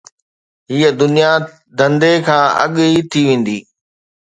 هيءَ دنيا ڌنڌي کان الڳ ٿي ويندي